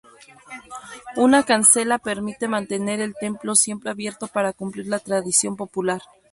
Una cancela permite mantener el templo siempre abierto para cumplir la tradición popular.